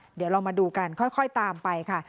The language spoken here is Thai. เดี๋ยวเรามาดูกันค่อยตามไปค่ะ